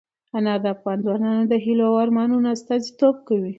انار د افغان ځوانانو د هیلو او ارمانونو استازیتوب کوي.